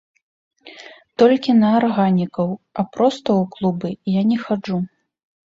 Толькі на арганікаў, а проста ў клубы я не хаджу.